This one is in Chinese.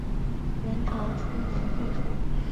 元朝初年废除。